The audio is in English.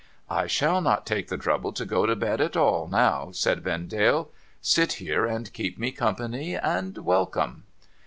' I shall not take the trouble to go to bed at all, now,' said Vendale ;' sit here and keep me company, and welcome.'